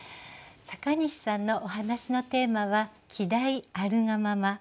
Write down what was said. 阪西さんのお話のテーマは「季題あるがまま」。